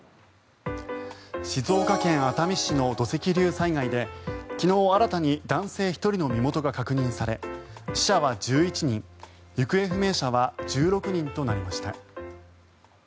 静岡県熱海市の土石流災害で昨日、新たに男性１人の身元が確認され死者は１１人行方不明者は１６人となりました。